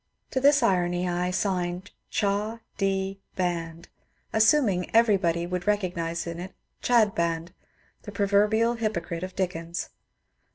To this irony I signed ^'Cha. D. Band," assuming that everybody would recognize in it ^^Chadband," the proverbial hypocrite of Dickens.